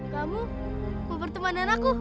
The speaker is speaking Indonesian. kamu mempertemanan aku